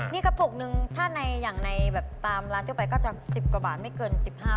มีกระปุกนึงถ้าในอย่างในแบบตามร้านทั่วไปก็จะ๑๐กว่าบาทไม่เกิน๑๕บาท